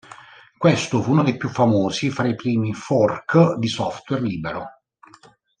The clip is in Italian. Questo fu uno dei più famosi fra i primi "fork" di software libero.